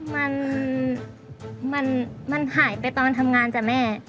มันมันหายไปตอนทำงานจ้ะแม่